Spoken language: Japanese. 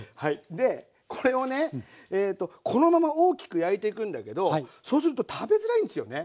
でこれをねこのまま大きく焼いていくんだけどそうすると食べづらいんですよね。